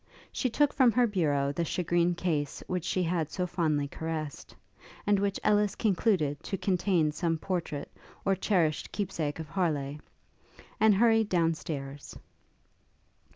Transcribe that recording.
She took from her bureau the shagreen case which she had so fondly caressed, and which Ellis concluded to contain some portrait, or cherished keep sake of Harleigh; and hurried down stairs.